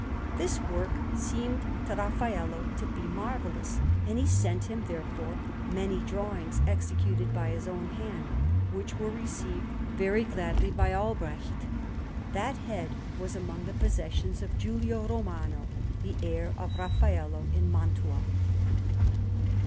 This work seemed to Raffaello to be marvellous, and he sent him, therefore, many drawings executed by his own hand, which were received very gladly by Albrecht. That head was among the possessions of Giulio Romano, the heir of Raffaello, in Mantua.